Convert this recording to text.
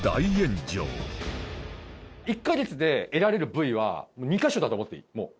１カ月で得られる部位は２カ所だと思っていいもう。